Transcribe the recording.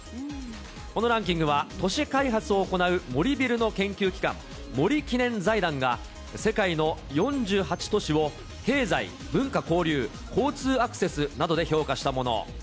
このランキングは都市開発を行う森ビルの研究機関、森記念財団が、世界の４８都市を、経済、文化・交流、交通アクセスなどで評価したもの。